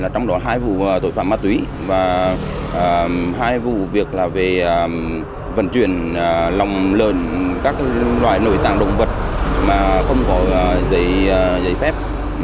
trong đó hai vụ tội phạm ma túy và hai vụ việc là về vận chuyển lòng lợn các loại nội tàng động vật mà không có giấy phép